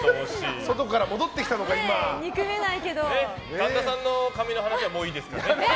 神田さんの髪の話はもういいですよね。